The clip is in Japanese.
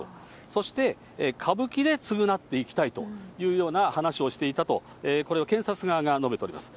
そして、歌舞伎で償っていきたいというような話をしていたと、これを検察側が述べております。